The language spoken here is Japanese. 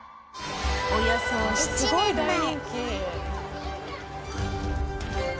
およそ７年前